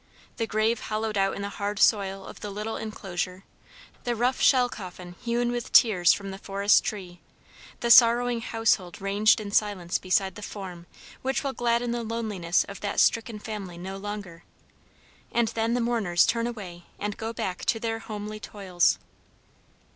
The grave hollowed out in the hard soil of the little inclosure, the rough shell coffin hewn with tears from the forest tree, the sorrowing household ranged in silence beside the form which will gladden the loneliness of that stricken family no longer, and then the mourners turn away and go back to their homely toils.